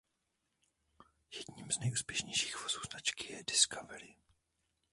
Jedním z nejúspěšnějších vozů značky je Discovery.